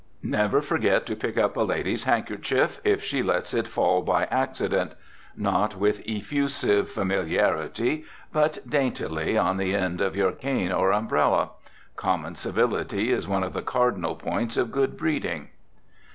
Never forget to pick up a lady's handkerchief, if she lets it fall by accident; not with effusive familiarity, but daintily on the end of your cane or umbrella. Common civility is one of the cardinal points of good breeding.